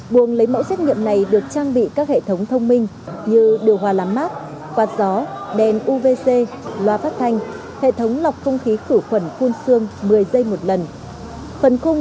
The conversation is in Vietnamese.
buồng lấy mẫu xét nghiệm này được trang bị các hệ thống thông minh như điều hòa làm mát quạt gió đèn uvc loa phát thanh hệ thống lọc không khí khử khuẩn phun xương một mươi giây một lần